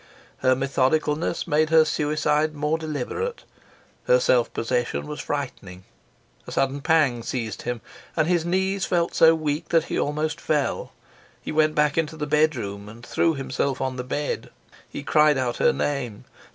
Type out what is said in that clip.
Her methodicalness made her suicide more deliberate. Her self possession was frightening. A sudden pang seized him, and his knees felt so weak that he almost fell. He went back into the bedroom and threw himself on the bed. He cried out her name.